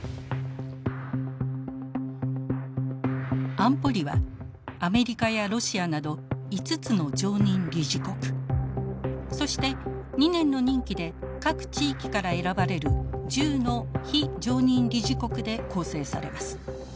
安保理はアメリカやロシアなど５つの常任理事国そして２年の任期で各地域から選ばれる１０の非常任理事国で構成されます。